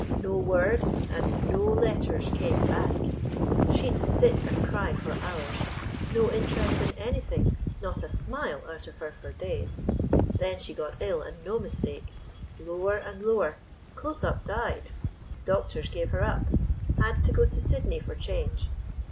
No word, and no letters came back. She'd sit and cry for hours. No interest in anything; not a smile out of her for days. Then she got ill, and no mistake; lower and lower—close up died. Doctors gave her up. Had to go to Sydney for change.